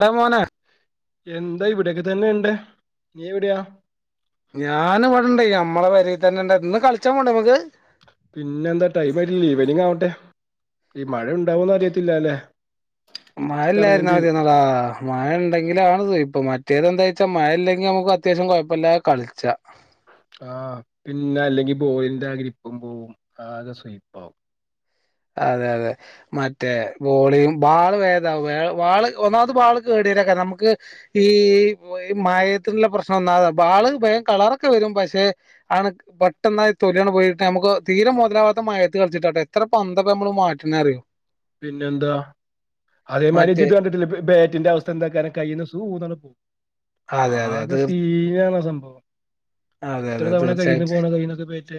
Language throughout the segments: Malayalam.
എടാ മോനെ എന്താ ഇവിടെക്കെ തന്നെ ഉണ്ട് നീ എവിടെയാ ഞൻ ഇവിടെണ്ട് നമ്മളെ പെരെ തന്നെ ണ്ട് ഇന്ന് കളിച്ചാ പോണ്ടേ ഞമ്മക്ക് പിന്നെ എന്താ ടൈം ആയിട്ടില്ല ഈവനിങ് ആവട്ടെ ഈ മഴ ഉണ്ടാവന്ന് അറിയത്തില്ല ല്ലെ മഴല്ലായിരുന്ന മതിന്നോടാ മഴയണ്ടെങ്കിലാണത് സുയിപ്പ് മറ്റ് റ്റേത് എന്താ വച്ചാ മഴ ഇല്ലെങ്കിൽ നമുക്ക് അത്യാവശ്യം കുഴപ്പമില്ല കളിച്ചാ ആ പിന്നെ അല്ലെങ്കി ബോളിന്റെ ആഗ്രിപ്പും പോവും ആകെ സ്ലിപ്പ് ആവും അതെ അതെ മറ്റേ ബോളിയും ബാള് വേത വാള് ഒന്നാമത് ബാള് കേടിയരൊക്കെ നമുക്ക് ഈഈ മയത്തിനുള്ള പ്രശ്നം ഒന്നാമത ബാള് ഭയം കളറൊക്കെ വരും പക്ഷെ ആണ് പെട്ടെന്ന തൊല്ിയാണ് പോയിട്ട നമുക്ക് തീരെം മുതലാവാത്ത മയത്ത് കളിച്ചിട്ട കേട്ടോ എത്ര പന്തൊക്ക നമ്മള് മാറ്റണ അറിയോ പിന്നെ എന്താ അതേ മരിജി മറ്റേ ഇത് കണ്ടിട്ടില്ല ബേറ്റിന്റെ അവസ്ഥ എന്താ കാര കയ്യിൽന്ന് സൂന്നങ്‌ പോകും അതെ അതെ ആകെ തീർ സീനാണ് സം ഓ അതെ എത്ര അതെ തവണ കയ്യിൽന്ന് തീർച്ചയായിട്ടും പോണം കയ്യിൽന്നൊക്കെ ബാറ്റ്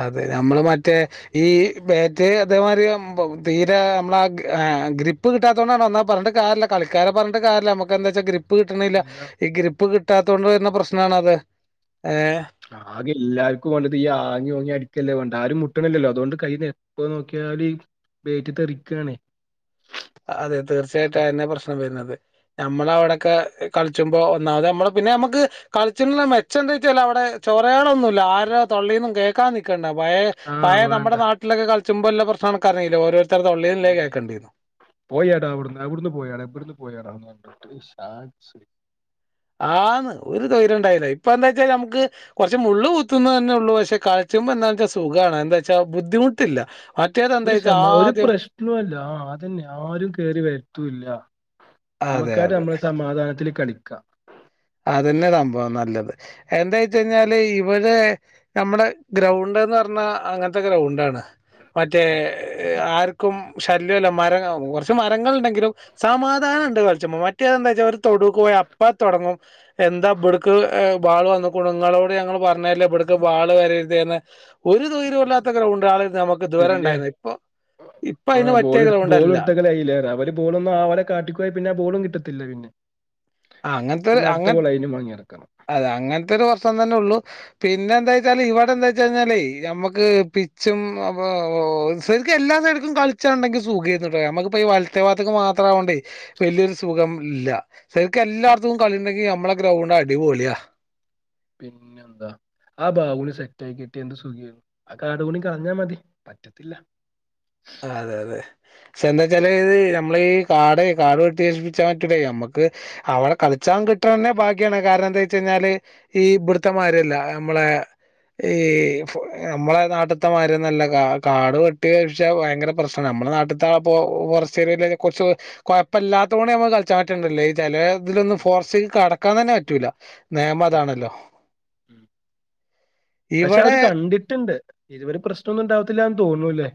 അതെ നമ്മള് മറ്റേ ഈ മേറ്റ് അതേമാതിരി തീരെ നമ്മള ആ ഗ്രിപ്പ് കിട്ടാത്തത കൊണ്ടാണ്ന്നാൽ പറഞ്ഞിട്ട് കാര്യല്ല കളിക്കാരെ പറഞ്ഞിട്ട് കാര്യല്ല നമ്മുക്ക് എന്താ വച്ചാ ഗ്രിപ്പ് കിട്ടണില്ല ഇല്ല ഈ ഗ്രിപ്പ് കിട്ട കിട്ടാത്ത കൊണ്ട് വരുന്ന പ്രശ്നാണ് അത് ആകെ എല്ലാർക്കും വേണ്ട ത് ഈ ആങ്ങിഓങ്ങി അടി ല്ലേ വേണ്ട ആരും മുട്ടണല്ലല്ലോ അതുകൊണ്ട് കയ്യിപ്പ നോക്കിയാല് ബാറ്റ് ത്തെറിക്കയാണ് അതെ തീർച്ചയായിട്ടും അതന്നെ പ്രശ്നം വരുന്നത് നമ്മള അവിടെ ഒക്കെ കളിച്ചുമ്പോ ഒന്നാത് നമ്മള് പിന്നെ നമുക്ക് കളിച്ച മെച്ചം എന്താ വെച്ചാ അവിടെ ചൊറകളൊന്നു ഇല്ല ആരോ തൊള്ളയിന്നും കേൾക്കാൻ നിക്കണ്ട പഴയ ആ, പഴയ വേണ്ട നമ്മുടെ നാട്ടിലൊക്കെ കളിച്ചുമ്പോല്ലാം നമ്മുക്കറില്ലെ ഓരോ ഇത്ര തൊള്ളള്ളിന്ന് ലേഖ മേ ആക്കണ്ടിരുന്നു പോയാടാ അവിടുന്ന് അവിടുന്ന് പോയാടാ എവിടന്ന് പോയാടോന്ന് ആന്ന് ഒരു തൊയിരംണ്ടായില്ല ഇപ്പൊ എന്താ വെച്ചാ നമുക്ക് കുറച്ച് മുള്ളു കുത്തുന്ന തന്നെ ഉള്ളൂ പക്ഷെ കളിച്ചുമ്പ എന്താ വെച്ചാ സുഖമാണ് എന്താ വച്ചാ ബുദ്ധിമുട്ടില്ല മറ്റേത് എന്താ ഒരു വെച്ചാൽ സമ ഒരു ആദ്യം പ്രശ്നല്ല ആ അതന്നെ ആരും കേറി വരുത്തുല്ല അതെ നമക്കാട്ട അതെ നമ്മള് സമാധാനത്തിൽ കളി ക്ക അതന്നെ സംഭവം നല്ലത് എന്താ വച്ച കഴിഞ്ഞാല് ഇവടെ നമ്മുടെ ഗ്രൗണ്ട്ന്ന് പറഞ്ഞാ അങ്ങനത്തെ ഗ്രൗണ്ട്ാണ് മറ്റേ ആർക്കും ശല്യല്ല മരങ്ങ കുറച്ച് മരങ്ങൾ ഉണ്ടെങ്കിലും സമാധാനം ഉണ്ട് കളിച്ച എന്താ വച്ചാൽ അവ തൊടുക്ക പോോ അപ്പ എന്താ ബുടുക്ക് ബാള് വന്ന കുുങ്ങളോട് ഞങ്ങൾ പറഞ്ഞില്ലേ എവിടക്കും ബാള് വരരുത്ന്ന് ഒരു ദൂര്മല്ലാത്ത ഗ്രൗണ്ട് ആൾ നമുക്ക് ദൂരം പിന്നെ ഉണ്ടായിരുന്നു ഇപ്പൊ ഇപ്പൊ ആ അതിന് ബോൾ പറ്റിയ എടുത്ത് ബോൾ ഗ്രൗണ്ട്ല്ല എടുത്തൊക്കെ ലൈലേറെ അവര് ബോളൊന്നും ആവിെ കാട്ടിക്കുവയ പിന്നെ ആ ബോളും കിട്ടത്തില്ല പിന്നെ ആ അങ്ങനത്തെരു പിന്നെ അടുത്ത അങ്ങ ബോൾ അതിനും വാങ്ങി ഇറക്കണം അതെ അങ്ങനത്തെ ഒരു വർഷം തന്നെ ഉള്ളൂ പിന്നെ പിന്നെ എന്താ വച്ചാല് ഇവിടെ എന്താ വച്ച് കഴിഞ്ഞാലേ നമ്മുക്ക് പിച്ചും അപ്പൊ ശരിക്കും എല്ലാ സൈടുക്കും കളിച്ചുണ്ടെങ്കി സുഖംന്നട്ടോ നമക്കിപ്പ ഈ വലത്തേ ഭാഗത്തേക്ക് മാത്രാവാണ്ടേ വല്യൊരു സുഖം ഇല്ല ശരിക്ക എല്ലാർത്തും കളിണ്ടെങ്കി നമ്മളെ ഗ്രൗണ്ട് അടിപൊളിയാ പിന്നെ എന്താ ആ ബാവുളി സെറ്റായി കിട്ടിയാ എന്ത് സുഖാരുന്നു ആ കാട്പുണി കളഞ്ഞാ മതി പറ്റത്തില്ല ആഹ് അതെ അതെ പക്ഷെ എന്താ വെച്ചാല് നമ്മള് ഈ കാടെ കാടു വെട്ടി നശിപ്പിച്ചാ പറ്റൂല നമ്മക്ക് അവിടെ കളിച്ചാൻ കിട്ടണ തന്നെ ഭാഗ്യാണ് കാരണം എന്താ വെച്ച് കഴിഞ്ഞാല് ഈ ബിടുത്തെമാതിരിയല്ല നമ്മളെ ഈ ഫൊ നമ്മളെ നാട്ട്ത്തെമായിരിന്നൊല്ല കാ കാടു വെട്ടി നശി പ്പിച്ചാ പക്ഷെ ഭയങ്കര പ്രശ്നാണ് നമ്മടെ നാട്ട്ത്തെ പൊ ഫോറസ്റ്റ് ഏരിയേല് തന്നെ കൊറച്ച് കൊയപ്പല്ലാത്തകൊണ്ട് ഞമ്മക്ക് കളിച്ചാൻ പറ്റുന്നില്ലേ ഈ ചെല ഉം നിയമം സത്യം അതാണല്ലോ ഉം പക്ഷെ ഇവടെ അവര് കണ്ടിട്ട്ണ്ട് ഇതുവരെ പ്രശ്നൊന്നും ഉണ്ടാവത്തില്ലാന്ന് തോന്നുന്നു ല്ലേ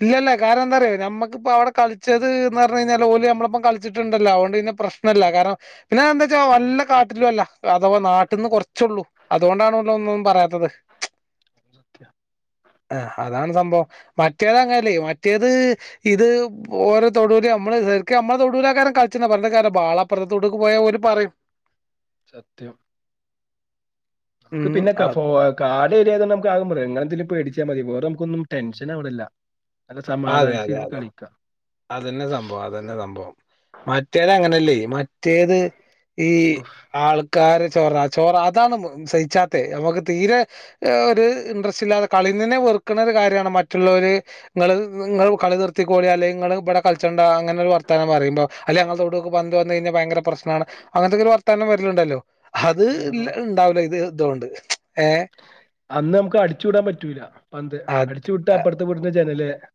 ഇല്ലല്ല കാരണം എന്താറിയോ നമ്മക്കിപ്പ അവിടെ കളിച്ചത് ന്ന് പറഞ്ഞ് കഴിഞ്ഞാല് ഓല് നമ്മളൊപ്പം കളിച്ചിട്ടുണ്ടല്ലോ അതൊണ്ട് പ്രശ്നല്ല കാരണം പിന്നെ എന്താ വെച്ചാ വല്ല കാട്ടിലുവല്ല അഥവാ നാട്ടിന്ന് കുറച്ചുള്ളൂ അതുകൊണ്ടാണൊന്നൊന്നും പറയാത്തത് മുഖ്യ ആഹ് അതാണ് സംഭവം മറ്റേത് അങ്ങല്ലേ മറ്റേത് ഇത് ഓരോ തൊടൂര് നമ്മള് ശരിക്കും നമ്മളെ തൊടൂല ആൾക്കാര് കളിച്ചുന്ന പറഞ്ഞ കാരം ബാളപ്പുറത്തെ തൊടുക്ക് പോയാൽ ഓര് പറയും സത്യം നമുക്ക് ഉം പിന്നെ അ ക ഫോ കാട്യേത നമുക്കാദ്യം പറയാം ഇങ്ങളെന്തിനാ പേടി ച്ചാൽ മതി വേറെ നമുക്കൊന്നും ടെൻഷനവിടില്ല നല്ല അതെ സമാധാനത്തി അതെ ഇര്ന്ന് അതെ കളിക്കാം അതന്നെ സംഭവം അതന്നെ സംഭവം മറ്റേത് അങ്ങ നല്ലെ മറ്റേത് ഈ ഉഫ്. ആൾക്കാരെ ചൊറ ചൊറ അതാണ് മ് സഹിച്ചാത്തെ നമ്മക്ക് തീരെ ഒരു ഇൻട്രസ്റ്റ് ഇല്ലാതെ കളിന്നന്നെ വെറുക്കണ ഒരു കാര്യാണ് മറ്റുള്ളവര് ഇങ്ങള് നിങ്ങള് കളി നിർത്തിക്കോളി അല്ലെങ്കി ഇങ്ങള് ഇബ്ടെ കളിച്ചണ്ട അങ്ങനൊരു വർത്താനം പറുമ്പോ അല്ല ഞങ്ങള തോട്ക്ക് പന്ത്‌ വന്നു കഴിഞ്ഞാ ഭയങ്കര പ്രശ്നമാണ് അങ്ങനത്തക്കൊരു വർത്താനം വരുന്നുണ്ടല്ലോ അത് ഇണ്ടാവൂല ഇത് ദോണ്ട് അന്ന് നമുക്ക് അടിച്ചു വിടാൻ പറ്റൂല പന്ത് അത് അടിച്ചു വിട്ട അപ്പുറത്തെ വീട്ടിന്റെ ജനല് [unintelligible]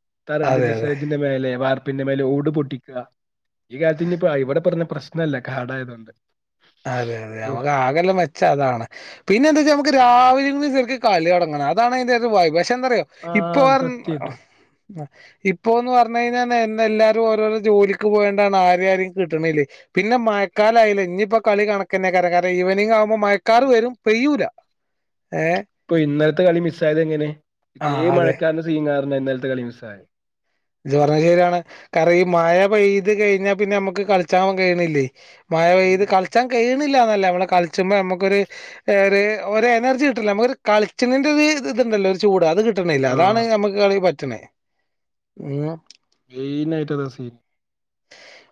അതെ പറമ്പിന്റെ അതെ സൈഡിന്റെ മേലെ വാർ പ്പിമേലെ ഓട് പൊട്ടിക്ക ഈ കാലത്തിന്നിപ്പോ ഇവടെ പറഞ്ഞാ പ്രശ്നല്ല കാടായതോണ്ട് അതെ അതെ മ്മക്ക് ആകെള്ള മെച്ചം അതാണ് പിന്നെന്തന്ന്ച്ചാ മ്മക്ക് രാവി ലേന്ന് സരിക്ക് കളി തൊടങ്ങണം അതാണ് അയിന്റൊരു വൈബ് ച്ചന്തറിയോ ആ ഇപ്പൊ വർ സത്യം കിട്ടും അ ഇപ്പോന്ന് പർഞ്ഞു കയിഞ്ഞാ എന്നെ എല്ലാരും ഓരോരോ ജോലിക്ക് പോയോണ്ടാണ് ആരെ ആരേം കിട്ട്ണില്ലേ പിന്നെ മയക്കാലായിലെ ഇഞ്പ്പം കളി കണക്കന്ന കര കര ഈവെനിംഗാവുമ്പോ മഴക്കാറ് വരും പെയ്യൂല ഏഹ് ഇപ്പൊ ഇന്നൽത്തെ കളി മിസ്സായെതെങ്ങനെ ഇതേ ആഹ് അതെ മഴകാറിന്റെ സീൻ കാര്ണന്നെ ഇന്നൽത്തെ കളി മിസ്സ്‌ സായെ ഇജ്ജ് പർഞ്ഞ ശര്യാണ് കാരണം ഈ മഴ പെയ്ത് കഴിഞ്ഞാ പിന്നെ ഞമ്മക്ക് കളിച്ചാൻ കഴിയണില്ലേ മഴ ഇല്ല പെയ്ത് കൾച്ചാൻ കയ്യ് ട്ട്ന്നില്ലാന്നല്ല നമ്മള് കൾച്ചുമ്പം നമ്മക്കൊരു മ്മക്കൊര് ഏഹ് ഒര് ഒരു എനർജി കിട്ട്ന്നില്ല അമ്മക്കൊരു കളിച്ചണ്ന്റെ ഒരു ഇത്ണ്ടല്ലോ ഒരുചൂട് അത് കിട്ട് ട്ട്ണില്ല ആ അതാണ് ഞമ്മക്ക് കളി പറ്റ് റ്റ്ണെ മെയ്നായിട്ടതാ സീ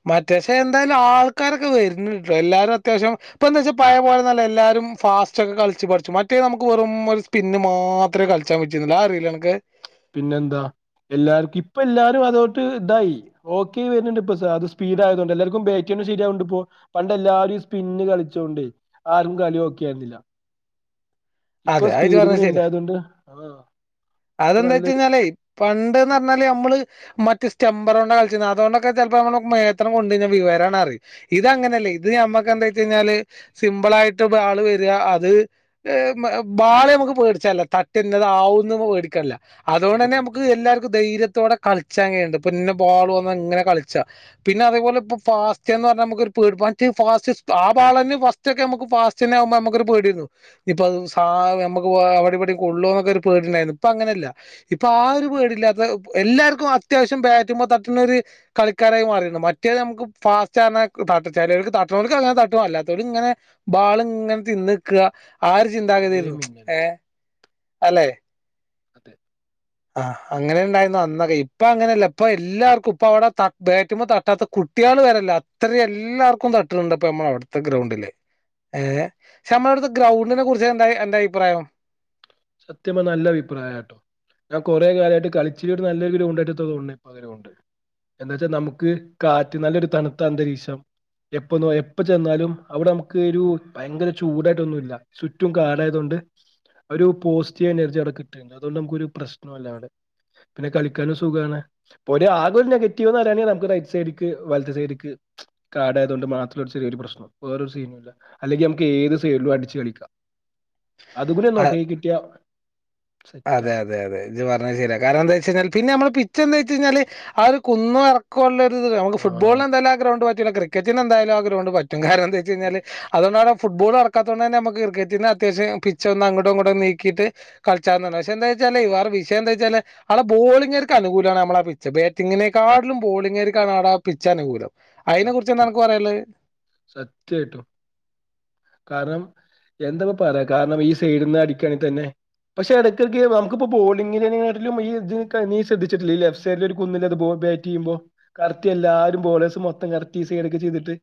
മറ്റെശേ ന്തായാലും ആൾക്കാരൊക്ക വര്ന്ണ്ട്ട്ടോ എല്ലാരും അത്യാവശ്യം ഇപ്പന്താച്ചാ പയേ പോലൊന്നൊല്ല എല്ലാരും ഫാസ്റ്റൊക്കെ കൾച്ച് പട്ച്ചും മറ്റേ നമുക്ക് വെറും ഒരു സ്പിന്ന് മാത്രേ കൾച്ചാ പറ്റിര്ന്നുള്ളു അതറീലെ അനക്ക് പിന്നെന്താ എല്ലാർക്കിപ്പല്ലാരും അതോണ്ട് ഇതായി ഒക്കെ ആയിവര്ന്ണ്ട്പ്പ സാത് സ്പീഡായതൊണ്ടേ എല്ലാർക്കും ബാറ്റെന്നെ ശര്യാവ്ണ്ട്പ്പൊ പണ്ട് എല്ലാരു ഈ സ്പിന്ന് കളിച്ചോണ്ടേ ആരും കളിയോക്കെര്ന്നില്ല. അതെ അത്‌ ഇജ്ജ് പറഞ്ഞെ ശര്യാ ഉണ്ടായതുകൊണ്ട് ആ ഇപ്പൊ നല്ലൊരു അതെന്തേച്ചാന്നാലെ പണ്ട്ന്ന്പറഞ്ഞാലേ ഞമ്മള് മറ്റ് സ്റ്റെമ്പറോണ്ടാ കൾച്ചീന്നെ അതോണ്ടൊക്കെ ചെല്പം മ്മളെ മേത്തണ്ട് കൊണ്ടീനെ വിവരാണ്ടറിം ഇതങ്ങനല്ല ഇത് മ്മക്കെന്ത്തെച്ചാന്നാല് സിമ്പിളായിട്ട് ബാള് വരാ അത്‌ ഏ മ്മ് ബാള് മ്മക്ക് പേട്ച്ചാല്ല തട്ട്യാ ന്നതാവ്ന്ന് പേടിക്കാനില്ല ഒന്നും അതോണ്ടന്നെ മ്മക്ക് പറ്റില്ല എല്ലാർക്കും ധൈര്യതോടെ കൾച്ചാൻ കയ്യണ്ട് ഇപ്പ ഇന്നബോള് വന്നാ ഇങ്ങനെ കൾച്ചാ പിന്നതെപോലെ ഇപ്പ ഫാസ്റ്റേന്നർഞ്ഞാ മ്മക്കൊരു പെട് പാ മറ്റെ ഫാസ്റ്റ് സ് ആ ബാളന്നെ ഫാസ്റ്റക്കെ മ്മക്ക് പാസ്റ്റന്നെ ആവുമ്പോ മ്മക്കൊരു പേടിണ്ടാവും ഇന്നിപ്പത് ആഹ് അത് ഞമ്മക്ക് അവിടിം ഇവടിം കൊള്ളൊന്നൊക്കൊരു പേടിണ്ടായിരുന്നു പ്പങ്ങനല്ല ഇപ്പ് ഇപ്പ ആ ഒരു പേടില്ലാതെ എല്ലാർക്കും അത്യാവശ്യം ബാറ്റ്മ്മ തട്ട്ണൊരു കളിക്കാരായി മാറീണ് മറ്റേത് ഞമ്മക്ക് ഫാസ്റ്റർഞ്ഞാർ ന്നാ ക് താട്ടാ ചേലോൽക്ക് തട്ട്ണൊൽക്കങ്ങനെ തട്ടും അല്ലാതോല് ഇങ്ങനെ ബാളിങ്ങനെ തിന്ന്ക്ക ആ ഒര് ഒരേ ചിന്താഗത്യയായിരുന്നു മിന്നല് ഏഹ് അല്ലെ? അതെ ആഹ് അങ്ങനാണ്ടായിര്ന്നു അന്നൊക്കെ ഇപ്പങ്ങനല്ല ഇപ്പ എല്ലാർക്കും ഇപ്പവിടെ ബാറ്റ്മ്മെ തട്ടാത്ത കുട്ട്യേള് വരെ ഇല്ല അത്രിം എല്ലാർക്കും തട്ട്ണ്ട് പ്പ മ്മടെ അവ്ട്ത്തെ ഗ്രൗണ്ട്ല് ഏഹ് ക്ഷേ മ്മ ളട്ത്തെ ഗ്രോണ്ടിനെ കുർ എന്തായി അന്റെ അഭിപ്രായം സത്യം പറഞ്ഞാ നല്ല അഭിപ്രായട്ടോ ഞാൻ കൊറേ കാലായിട്ട് കളിച്ചീനിയൊരു നല്ലൊരു ഗ്രൗണ്ട് ആയിട്ട് തോന്ന്ണ്ട് എന്താച്ച നമുക്ക് കാറ്റ് നല്ലൊരു അന്തരീക്ഷം എപ്പോ എപ്പം ചെന്നാലും അവിടെ നമുക്കൊരു ഭയങ്കര ചൂടായിട്ടൊന്നുല്ല ചുറ്റും കാടായതോണ്ട് ഒരു പോസ്റ്റീവ് എനർജി അവിടെ കിട്ട്ണ്ട് അതോണ്ട് നമുക്കൊരു പ്രശ്നോല്ല ആടെ പിന്നെ കളിക്കാനും സുഖാണ് പ്പൊരാകോരു നെഗറ്റീവ്ന്നാറിയാന് നമുക്ക് റൈറ്റ് സൈഡ്ക്ക് വലത് സൈഡ്ക്ക് കാടായതോണ്ട് മാത്രോരു ചെറിയ പ്രശ്നം വേറൊരു സീനുല്ല അല്ലെങ്കി മ്മക്ക് ഏത് സൈഡ്ലും അടിച് കളിക്ക. അതുകൂടെ നോക്കറ്റ് പാ അതെ അതെ അതെ ഇത് പറഞ്ഞ ശരി കാരണം എന്താ വെച്ച കാരണം പിന്നെ മ്മ പി ചോന്ന് ഞ്ഞാല് ആ ഒരു കുന്ന ഇറക്കുള്ള [unintelligible] ആ ഫുട്ബോൾ എന്താലും ആഹ് ഗ്രൗണ്ട് പ ക്രിക്കറ്റന് എന്തായാലും ആ ഗ്രൗണ്ട് പറ്റ് റ്റും കാരണം എന്ത വച്ച് ഉം, കഴഞ്ഞാല് അുകൊണ്ട ഫുട്ബോൾ പക്കത്തൊണ്ട് തന്നെ നമുക്ക് ക്രിക്കറ്റന് അത്യാവശ്യം പിച്ച ഒന്ന് അങ്ങോട്ട്‌ ഇങ്ങോട്ട് നീകീട്ട് പിച്ചാണ് പക്ഷെ എന്താ വച്ചാൽ വേറെ വിഷയംന്താ വച്ചാ ആടെ ബോളിംഗ് ആര്ക് അനുകൂല നമ്മടെ ആ പിച്ച ബാറ്റിങ്ങിനേക്കാും ബോളിങ് ബോളിംഗ് ങ്ങര്ക് പിച്ച് അനുകൂലം അയിനെ കുറിച്ച് എന്താണ് സത്യം അനക്ക് പറയാനുള്ളത്? സത്യയിട്ടും കാരണം എന്താ പറയാ കാരണം ഈ സൈഡിൽ നിന്ന് അടിക്കയാണെങ്ക തന്നെ പക്ഷെ ഇടയ്ക്ക നമുക്കിപ്പ ബോളിങ്ങിനിലും ഇ നീ ശ്രദ്ധിച്ചിട്ടില്ല ഈ ലെഫ്റ്റ് സൈഡില ഒരു കുന്നില്ലത് ബാറ്റ് ചെയ്യുമ്പോ കറക്റ്റ് എല്ലാരും ബോളേഴ്സ് മൊ എടത്തി ഈ സൈഡ് കെ ചെയ്തിട്ട്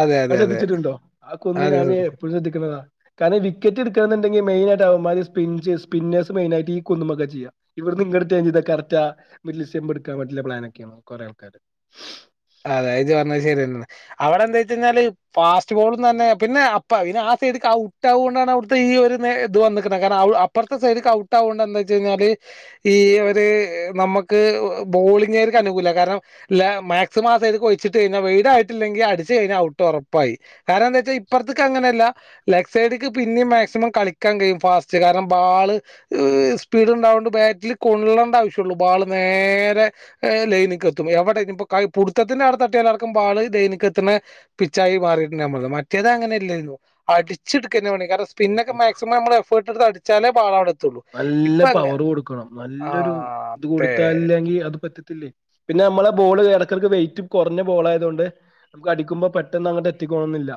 അതെ, അത് അതെ, അതെ. ശ്രദ്ധിച്ചിട്ടുണ്ടോ ആ കൊന്ന് ഞൻ അതെ. എപ്പോഴും ശ്രദ്ധിക്കുന്നതാ കാരണം വിക്കറ്റ് എടുക്കണന്നുണ്ടെങ്കിൽ മെയിനായിട്ട് അവ മാര് സേ സ്പിന്നേഴ്സ് മെയ്നായിട്ട് കുന്നുമൊക്കെ ചെയ്യ ഇവിടുന്ന് ഇടു ചെയ്ത കറക്റ്റ് മിഡിൽ സ്റ്റേമ്പ് എടുകാ പ്ലാൻ നൊക്കെയാണ് കുറെ ആൾക്കാര് അതെ അത് ഇജ്ജ് പറഞ്ഞെ ശരിയെന്നാണ് അവിടെ എന്താ വെച്ച് കഴിഞ്ഞാല് ഫാസ്റ്റ് ബോൾന്ന് പറഞ്ഞാ തന്നെ പിന്നെ അപ്പ പിന്നെ ആ സൈഡിക്ക് ഔട്ട് ആവുകൊണ്ടാണ് അവിടുത്തെ ഈ ഒരു ഇത് വന്ന്ക്കണേ കാരണം അപ്പർത്തെ സൈഡിക്ക് ഔട്ട് ആവുകൊണ്ട് എന്താച്ച് കഴിഞ്ഞാല് ഈ ഒര് നമ്മക്ക് ബോളിംഗാര്ക്ക് അനുകൂലാ കാരണം ലാ മാക് [unintelligible] ആ സൈഡ്ക്ക് ഒയിച്ചിട്ട് കഴിഞ്ഞാ വൈഡായിട്ടില്ലെങ്കി അടിച്ച് കയിഞ്ഞാ ഔട്ട് ഒറപ്പായി കാരണം എന്താ വെച്ചാ ഇപ്പർത്തേക്ക് അങ്ങനെയല്ല ലെഫ്റ്റ് സൈഡ്ക്ക് പിന്നെയും മാക്സിമം കളിക്കാൻ കഴും ഫാസ്റ്റ് കാരണം ബാള് സ്പീഡ് ഉണ്ടാവുകൊണ്ട് ബാറ്റിൽ കൊള്ളേണ്ട ആവശ്യമുള്ളു ബാള് നേരെ ലൈനിക്ക് എത്തും എവിടെ ഇനിപ്പോ ക പുടുത്തത്തിന്റെ അവിടെ തട്ടിയൽ ആർക്കും ബാള് ദൈനികത്തിന് പിച്ചായി മാറിയിട്ടുണ്ടത് മറ്റേത് അങ്ങനെ ഇല്ലായിരുന്നു അടിച്ചെടുക്കുന്ന വേണ കാരണം സ്പിന്നൊക്കെ മാക്സിമം നമ്മൾ എഫർട്ട എടുത്ത് അ ചില പാടടു നല്ല പവറ് കൊടുക്കണം നല്ലൊരു ആഹ് ഇത് അതെ കൊടുത്താല്ലെങ്കിൽ അത് പറ്റി ല്ലേ പിന്നെ നമ്മളെ ബോള് ഇടക്കർക്ക് വെയിറ്റ് കുറഞ്ഞ ബോൾ ആയതൊണ്ട് നമുക്ക് അടിക്കുമ്പോ പെട്ടെന്ന് അങ്ങോട്ട് എത്തിക്കോണ എന്നില്ല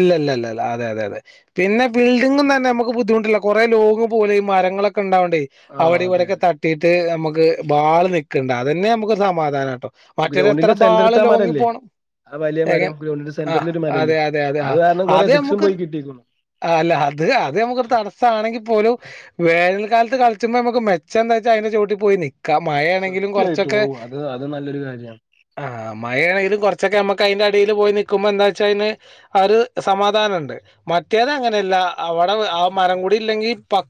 ഇല്ല ഇ ഇല്ല അതെ അതെ അതെ പിന്നെ ബിൽഡിംഗും തന്നെ നമുക്ക് ബുദ്ധിമുട്ടില്ല കുറെ ലോങ് പോലെ ഈ മരങ്ങളൊക്കെണ്ടാവ [unintelligible] ആഹ് അതെ അവിടെവിടെക്കെ അതെ തട്ടിട്ട് [unintelligible] ക്ക് ബാള് നക്കണ്ട് അത് തന്നെ നമുക്ക് സമാധാന ഗ്രൗണ്ടിന്റെ സെന്റർത്ത് ആ മരമല്ലേ ആ വലയ എങ്ങൻ മരം ഗ്രൗണ്ടിന്റെ സെന്ററിൽ ആഹ് ഒരു അതെ മരല്ലേ അത് അതെ ആ കാരണം കൊറെ അത് സിക്സും മുക്ക് പോയി കിട്ടിക്കുന്നു അല്ല അത് അത് തട സം ണെങ്കിൽ പോലും വേ വേനൽ കാലത്ത് കളിച്ചുമ്പോ നമുക്ക് മെ എന്താ ച്ചാ ൻ്റെ ചുവട്ടിൽ പോയി നീ മഴയാണെങ്കിലും സത്യമായിട്ടും കുറച്ചൊക്കെ ഓ അത് അത് നല്ലൊരു കാര്യമാണ് ആ മഴയാണെങ്കിലും കുറച്ചൊക്കെ നമുക്ക് അയി ഇയില് പോയി നക്കുമ്പോ എന്താ വെച്ചാ അന് ആ ഒരു സമാധാനംണ്ട് മറ്റേത് അങ്ങനെയല്ല അവിടെ ആ മരം കൂടി ഇല്ലെങ്കിൽ പ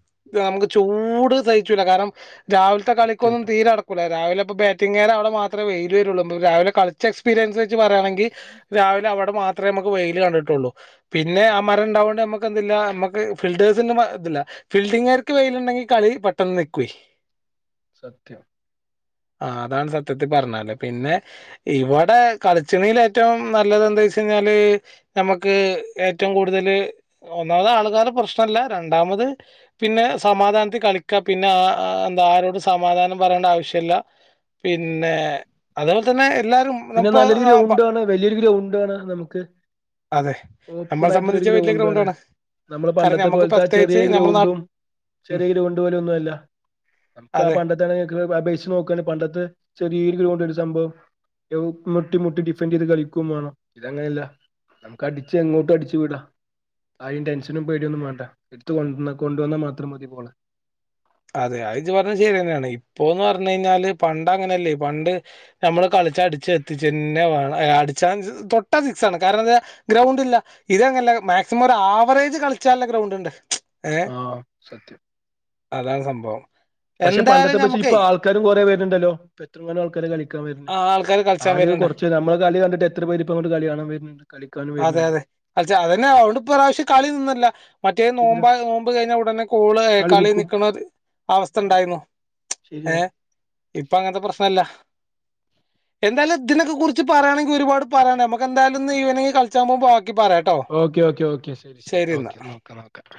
നമുക്ക് ചൂട് സഹിച്ചൂല്ല കാരണം രാവിലത്തെ കളിക്കൊന്നും സത്യമായിട്ടും തീരടക്കൂല്ലേ രാവിലെ ഇപ്പോ ബാറ്റിംഗു കാര അവിടെ മാത്രേ വെയിലൂ വരൂള്ളൂ രാവില കളിച്ച എക്സ്പീരിയൻസ് പറയാങ്കിൽ രാവിലെ അവിടെ മാത്രമേ നമക്ക് വൈക കണ്ടിട്ടുള്ളു പിന്നെ അതെ ആ മരം ഉണ്ടാവോണ്ട് നമുക്ക് എന്ത്‌ല്ല നമ്മുക്ക് ഫീൽഡ് ഇത്ല്ല ഫീൽഡിംഗാർക്ക് വെയിയിലുണ്ടെങ്കിൽ കളി പെട്ടെന്ന് നിക്കുഅയ് സത്യം ആ അതാണ് സത്യത്തിൽ പറഞ്ഞാല് പിന്നെ ഇവിടെ കളിച്ചിണിൽ ഏറ്റവും നല്ലത് എന്താ വെച്ച കഴിഞ്ഞാല് നമുക്ക് ഏറ്റവും കൂടുതൽ ഒന്നാമത് ആൾക്കാർ പ്രശ്നല്ല രണ്ടാമത് പിന്നെ സമാധാനത്തിൽ കളിക്കാ പിന്നെ ആ എന്താ ആരോട് സമാധാനം പറയേണ്ട ആവശ്യല്ല പിന്നെ അതേപോലെ തന്നെ എല്ലാരും പിന്നെ ഇപ്പോ നല്ലൊര് ഗ്രൗണ്ടാണ് വലിയൊരു ഗ്രൗണ്ട് ണ്ടാണ് നമുക്ക് അതെ ഓപ്പൺ നമ്മളെ ആയിട്ടുള്ള ഒരു സംബന്ധിച്ച് വലിയ ഗ്രൗണ്ട് ആണ് ഗ്രൗണ്ടാണ് നമ്മള് കാരണം പണ്ടത്തെ നമുക്ക് പോലത്തെ ആ ചെറിയ പ്രത്യേകിച്ച് നമ്മുടെ ഗ്രൗണ്ടും നാട്ടിൽ ചെറിയ ഗ്രൗണ്ട് പോലെയ ഒന്നും അല്ല നമുക്ക് ആ അതെ പണ്ടത്ത ആണ അപേക്ഷിച്ച് നോക്കാണ് പണ്ടത്തെ ചെറിയ [unintelligible] സംഭവം മുട്ടി മുട്ടി ഡിഫൻഡറ് ചെയ്ത് കളിക്കും വേണോ ഇതങ്ങനെയല്ല നമുക്ക് അടിച്ചച്ച് എങ്ങോട്ടും അടിച്ചു വിടാ ആരിം ടെൻഷനും പേടിയും ഒന്നും മാറ്റ എടുത്ത കൊ കൊണ്ട വന്നാ മാത്രം മതി ബോള് അതെ അഎ ജ്ജ് പറഞ്ഞ ശരി തന്നെയാണ് ഇപ്പോ എന്ന് പറഞ്ഞഞ് കഴിഞ്ഞാല് പണ്ട് അങ്ങനെയല്ലേ പണ്ട് നമ്മള് കളിച്ച അടിച്ച എത്തിച്ചെന്നെ അടിച്ചാ തൊട്ടാ സിക്സ്ണ് കാരണം എ ഗ്രൗണ്ട് ഇല്ല ഇതങ്ങനല്ല മാക്സിമം ഒരു ആവറേജ് കളിച്ചല്ല ഗ്രൗണ്ട് ഉണ്ട് ഏഹ് ആഹ സത്യം അതാണ് സംഭവം പക്ഷെ എന്തായാലും പണ്ടത്തെ പക്ഷ നമുക്കേ ഇപ്പൊ ആൾക്കാരും കൊറെേ പേരുണ്ടല്ലോ ഇ എത്ര കം ആൾക്കാര കളിക്കാൻ വരുന്ന ആൾക്കാര് കളിച്ചാൻ ആദ്യ വരുന്നുണ്ട് കൊറച്ച് നമ്മളെ കളി കണ്ടിട്ട് എത്ര പേര്പ്പ അങ്ങോട്ട് കളി കാണാൻ വരുന്നുണ്ട് കളിക്കാനും അതെ വരുന്നുണ്ട് അതെ കളിച്ച അതന്നെ അതുകൊണ്ട് ഇപ്രാവശ്യം കളി നിന്നില്ല മറ്റേ ഇല്ല നോമ്പ കളിക്കും [unintelligible] ണ്ടായിന്നോ ഏ ശരിയാണ് ഇപ്പൊ അങ്ങനത്തെ പ്രശ്നല്ല എന്തായാലും ഇതിനെക്കെ കുറിച്ച് പറയാണെങ്കി ഒരുപാട് പറയാണ്ട് നമ്മക്ക് എന്തായാലുംന്ന് ഈവനിങ് കളിച്ചാ പോകുമ്പോ ബാ ഓക്കെ ഓക്കെ ഓക്കെ ശരി ശരി എന്നാ ഓക്കെ നോക്കാം നമുക്ക്